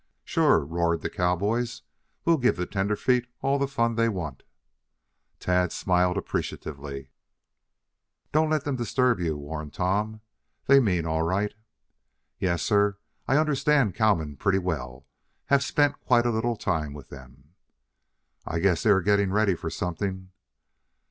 "Sure!" roared the cowboys. "We'll give the tenderfeet all the fun they want." Tad smiled appreciatively. "Don't let them disturb you," warned Tom. "They mean all right." "Yes, sir; I understand cowmen pretty well. Have spent quite a little time with them." "I guess they are getting ready for something."